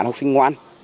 học sinh ngoan